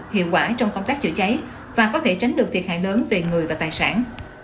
hiệu quả trong công tác chữa cháy và có thể tránh được thiệt hại lớn về người và tài sản